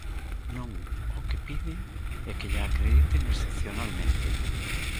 Non, o que pide é que lla acrediten excepcionalmente.